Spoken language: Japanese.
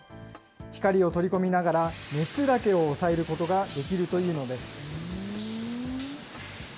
光を取り込みながら、熱だけを抑えることができるというのです。